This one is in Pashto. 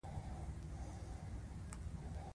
دا حیوان په یوازیتوب کې ښکار کوي.